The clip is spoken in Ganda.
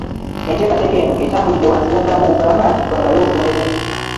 Enteekateeka eno etambulidde wansi w’omulamwa ogugamba nti, “Twagale obutonde bw’ensi.”